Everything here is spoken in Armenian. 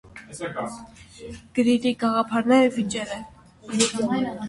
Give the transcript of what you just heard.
Գրիրի գաղափարները վիճելի են։